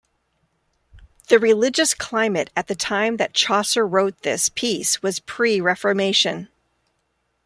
The religious climate at the time that Chaucer wrote this piece was pre-Reformation.